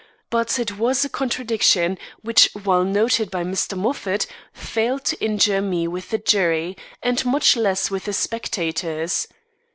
But it was a contradiction which while noted by Mr. Moffat, failed to injure me with the jury, and much less with the spectators.